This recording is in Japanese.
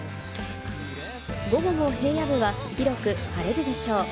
午後も平野部は広く晴れるでしょう。